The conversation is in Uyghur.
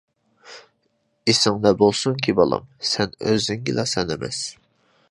ئېسىڭدە بولسۇنكى بالام، سەن ئۆزۈڭگىلا سەن ئەمەس.